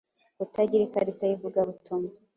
Kutagira ikarita y’ivugabutumwa,